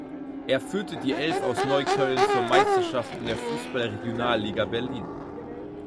Er führte die Elf aus Neukölln zur Meisterschaft in der Fußball-Regionalliga Berlin.